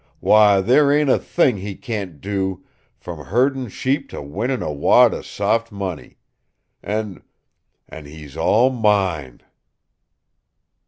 Why, there ain't a thing he can't do, from herdin' sheep to winnin' a wad of soft money! An' an' he's all MINE."